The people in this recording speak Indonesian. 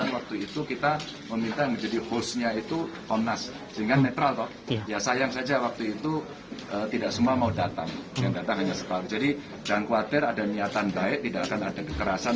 waktu itu tidak semua mau datang yang datang hanya sepuluh jadi jangan khawatir ada niatan baik tidak akan ada kekerasan